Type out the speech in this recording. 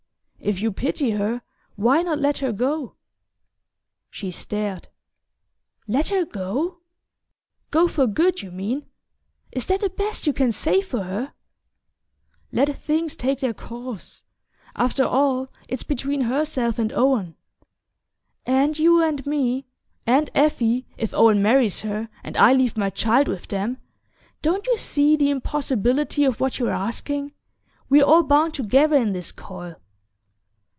"If you pity her, why not let her go?" She stared. "Let her go go for good, you mean? Is that the best you can say for her?" "Let things take their course. After all, it's between herself and Owen." "And you and me and Effie, if Owen marries her, and I leave my child with them! Don't you see the impossibility of what you're asking? We're all bound together in this coil."